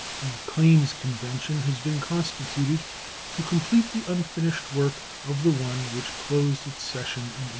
A claims convention has been constituted to complete the unfinished work of the one which closed its session in 1861.